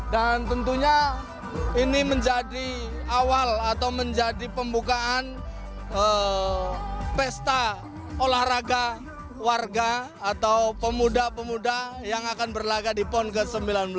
dan tentunya ini menjadi awal atau menjadi pembukaan pesta olahraga warga atau pemuda pemuda yang akan berlagak di ponges sembilan belas